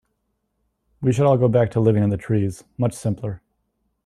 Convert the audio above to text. We should all go back to living in the trees, much simpler.